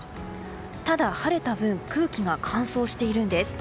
ただ、晴れた分空気が乾燥しているんです。